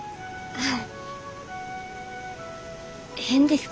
はい。